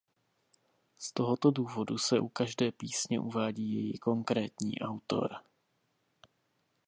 Z tohoto důvodu se u každé písně uvádí její konkrétní autor.